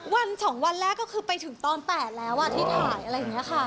วัน๒วันแรกก็คือไปถึงตอน๘แล้วที่ถ่ายอะไรอย่างนี้ค่ะ